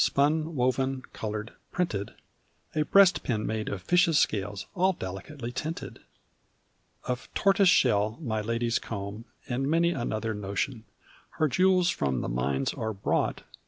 Spun, woven, colored, printed: A breastpin made of fishes' scales. All delicately tinted. Of tortoise shell my lady's comb. And many another notion; Her jewels from the mines are brought.